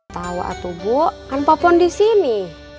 tau atuh bu kan pak pondi sini